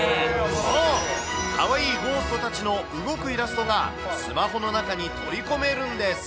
そう、かわいいゴーストたちの動くイラストが、スマホの中に取り込めるんです。